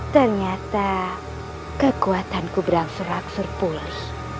ternyata kekuatanku berangsur angsur pulih